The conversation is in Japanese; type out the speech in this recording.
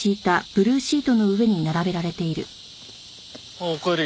あっおかえり。